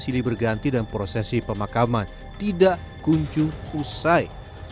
untuk diberganti dan prosesi pemakaman tidak kunjung usai